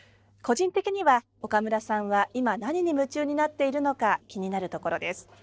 個人的には岡村さんは今何に夢中になっているのか気になるところです。